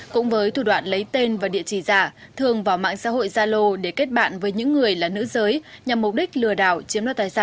cũng với thủ đoạn lấy tên và địa chỉ giả thường vào mạng xã hội zalo để kết bạn với những người là nữ giới nhằm mục đích lừa đảo chiếm đoạt tài sản